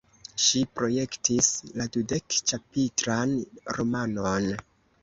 Ŝi projektis la dudek-ĉapitran romanon.